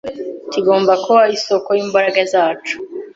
kigomba kuba isoko y’imbaraga zacu.